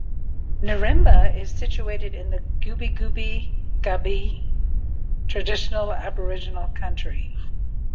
Nirimba is situated in the Gubbi Gubbi (Kabi) traditional Aboriginal country.